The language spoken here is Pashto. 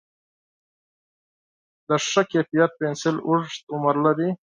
د ښه کیفیت پنسل اوږد عمر لري.